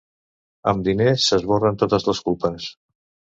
Amb diners s'esborren totes les culpes.